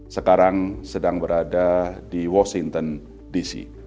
sekarang sedang berada di washington dc